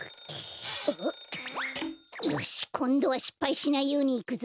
よしこんどはしっぱいしないようにいくぞ！